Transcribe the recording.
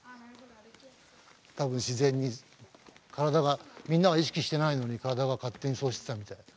多分自然に体がみんなは意識してないのに体が勝手にそうしてたみたい。